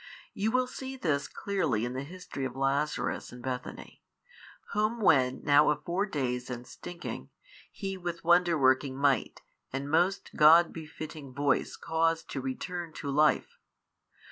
You will see this clearly in the history of Lazarus of Bethany, whom when now of four days and stinking, He with wonder working might and most God befitting voice caused to return to life.